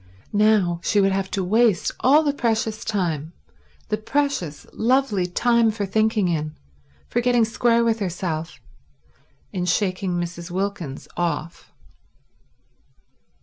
Now she would have to waste all the precious time, the precious, lovely time for thinking in, for getting square with herself, in shaking Mrs. Wilkins off.